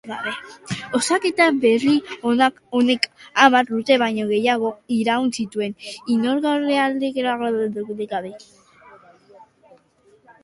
Osaketa berri honek hamar urte baino gehiago iraun zituen inongoaldaketarik gabe.